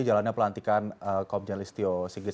jalannya pelantikan komjen listio sigit